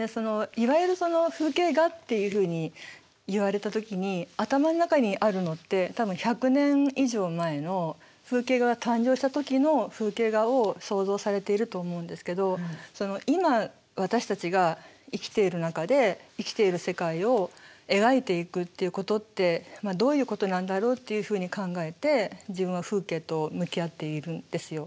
いわゆる風景画っていうふうに言われた時に頭の中にあるのって多分１００年以上前の風景画が誕生した時の風景画を想像されていると思うんですけど今私たちが生きている中で生きている世界を描いていくっていうことってどういうことなんだろうっていうふうに考えて自分は風景と向き合っているんですよ。